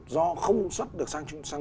do không xuất được sang mỹ đúng không